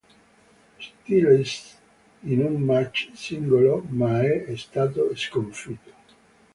Styles in un match singolo, ma è stato sconfitto.